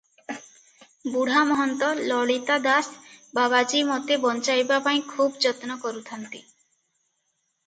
ବୁଢ଼ା ମହନ୍ତ ଲଳିତା ଦାସ ବାବାଜୀ ମୋତେ ବଞ୍ଚାଇବା ପାଇଁ ଖୁବ୍ ଯତ୍ନ କରୁଥାନ୍ତି ।